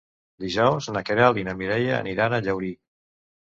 Dijous na Queralt i na Mireia aniran a Llaurí.